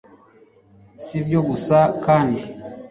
Si ibyo gusa kandi,